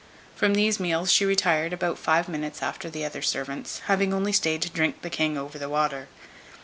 From these meals she retired about five minutes after the other servants, having only stayed to drink "the king over the water."